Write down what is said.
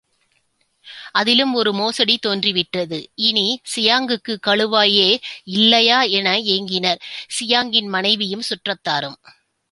அதிலும் ஒரு மோசடித் தோன்றிவிட்டது, இனி சியாங்குக்கு கழுவாயே இல்லையா என ஏங்கினர் சியாங்கின் மனைவியும் சுற்றத்தாரும்.